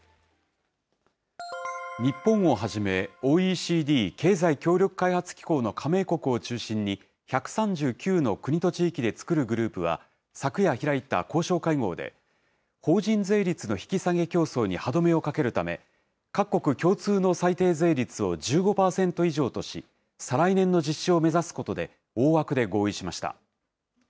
日本をはじめ、ＯＥＣＤ・経済協力開発機構の加盟国を中心に１３９の国と地域で作るグループは、昨夜開いた交渉会合で、法人税率の引き下げ競争に歯止めをかけるため、各国共通の最低税率を１５％以上とし、再来年の実施を目指すことで、大枠で合意しました。